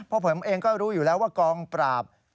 เพราะผมเองก็รู้อยู่แล้วว่ากองปราบ